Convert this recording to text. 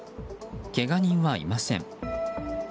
けが人はいません。